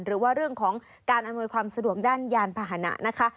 หรือว่าเรื่องของการอำนวยความสะดวกด้านยานพาหนะนะคะ